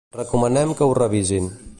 Recomanem que ho revisin.